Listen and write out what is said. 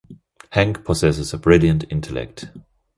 Hank possesses a brilliant intellect.